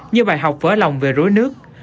như bài học vỡ lòng về rối nước